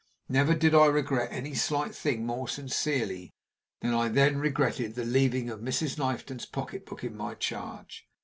Never did I regret any slight thing more sincerely than I then regretted the leaving of Mr. Knifton's pocketbook in my charge.